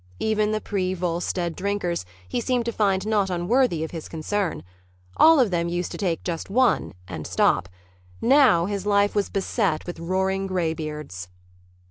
Even the pre Volstead drinkers he seemed to find not unworthy of his concern. All of them used to take just one and stop. Now his life was beset with roaring graybeards.